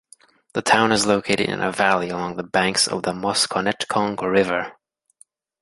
The town is located in a valley along the banks of the Musconetcong River.